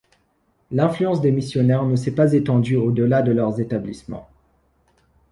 l’influence des missionnaires ne s’est pas étendue au-delà de leurs établissements.